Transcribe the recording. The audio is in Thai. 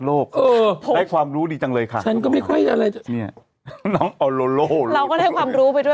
เราก็ไม่รู้ว่าเต่ามีเชื่อเต๋า๖